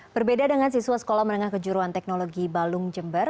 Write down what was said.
berbeda dengan siswa sekolah menengah kejuruan teknologi balung jember